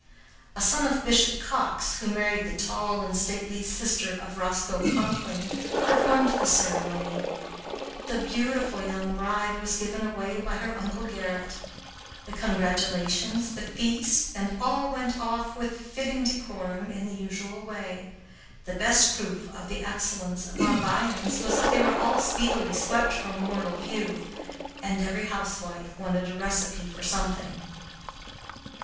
A son of Bishop Coxe, who married the tall and stately sister of Roscoe Conkling, performed the ceremony. The beautiful young bride was given away by her Uncle Gerrit. The congratulations, the feast, and all went off with fitting decorum in the usual way. The best proof of the excellence of our viands was that they were all speedily swept from mortal view, and every housewife wanted a recipe for something.